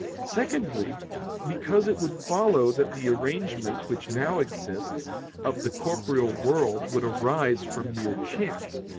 Secondly, because it would follow that the arrangement, which now exists, of the corporeal world would arise from mere chance.